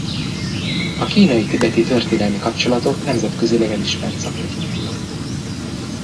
A kínai–tibeti történelmi kapcsolatok nemzetközileg elismert szaktekintélye.